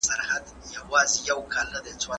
د خاوند پر له پسې غيابت ستونزي جوړوي.